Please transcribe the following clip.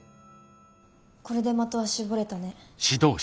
これで的は絞れたね。